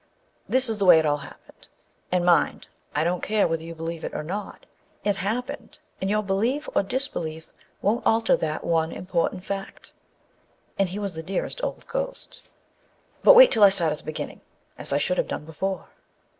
This is the way it all happened, and, mind, I don't care whether you believe it or not. It happened, and your belief or disbelief won't alter that one important fact. And he was the dearest old ghost â but wait till I start at the beginning, as I should have done before.